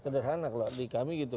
sederhana kalau di kami gitu